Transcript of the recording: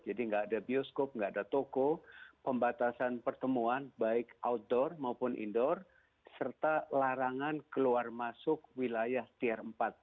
jadi nggak ada bioskop nggak ada toko pembatasan pertemuan baik outdoor maupun indoor serta larangan keluar masuk wilayah tier empat